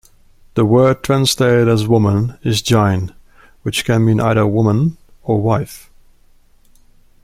The word translated as "woman" is "gyne", which can mean either "woman" or "wife".